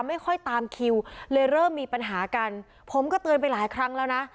ไม่ค่อยตามคิวเลยเริ่มมีปัญหากันผมก็เตือนไปหลายครั้งแล้วนะ